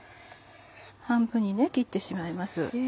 半分に切ってしまいます。